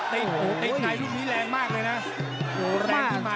ติดในหลุดนี้แรงมากเลยนะ